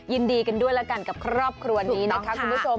ยินดีกันด้วยแล้วกันกับครอบครัวนี้นะคะคุณผู้ชม